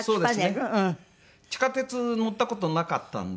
地下鉄乗った事なかったので。